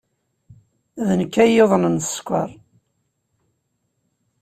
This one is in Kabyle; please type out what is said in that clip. D nekk ay yuḍnen sskeṛ.